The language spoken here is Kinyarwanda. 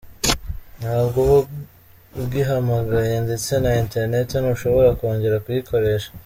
Ntabwo uba ugihamagaye ndetse na internet ntushobora kongera kuyikoresha.